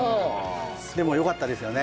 でもよかったですよね。